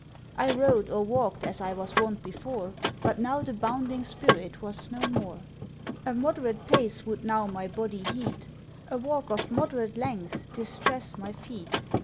I rode or walked as I was wont before, But now the bounding spirit was no more; A moderate pace would now my body heat, A walk of moderate length distress my feet.